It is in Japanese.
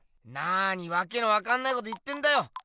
なにわけ分かんないこと言ってんだよ。